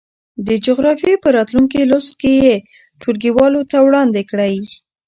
د جغرافيې په راتلونکي لوست یې ټولګیوالو ته وړاندې کړئ.